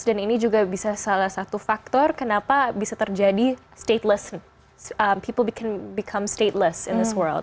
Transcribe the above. dan ini juga bisa salah satu faktor kenapa bisa terjadi people become stateless in this world